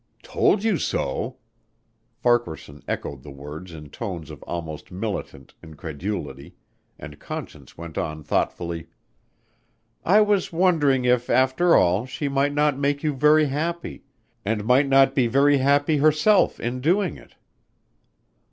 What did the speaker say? "Told you so!" Farquaharson echoed the words in tones of almost militant incredulity, and Conscience went on thoughtfully: "I was wondering if, after all, she might not make you very happy and might not be very happy herself in doing it."